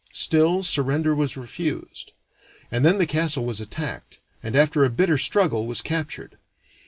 Still surrender was refused; and then the castle was attacked, and after a bitter struggle was captured.